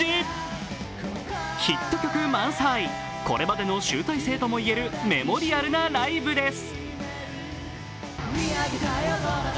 ヒット曲満載、これまでの集大成とも言えるメモリアルなライブです。